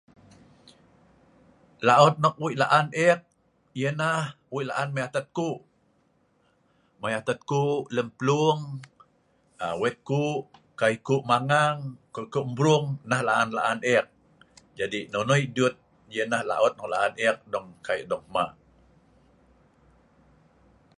Eek Wei laan mai atat Ku’ lem plung.kai ku’ magang mrung nah laan eek. Nah laut laan eek dong ma’